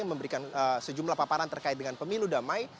memberikan sejumlah paparan terkait dengan pemilu damai